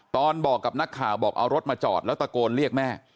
บอกกับนักข่าวบอกเอารถมาจอดแล้วตะโกนเรียกแม่